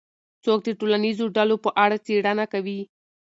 څوک د ټولنیزو ډلو په اړه څېړنه کوي؟